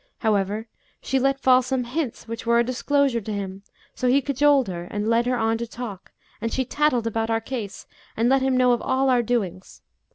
However, she let fall some hints, which were a disclosure to him; so he cajoled her and led her on to talk, and she tattled about our case and let him know of all our doings.